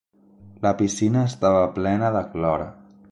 La piscina estava plena de clor.